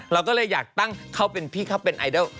เราก็เลยอยากตั้งเขาเป็นพี่เขาเป็นไอดอล